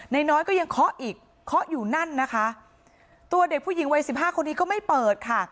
น้อยก็ยังเคาะอีกเคาะอยู่นั่นนะคะตัวเด็กผู้หญิงวัยสิบห้าคนนี้ก็ไม่เปิดค่ะ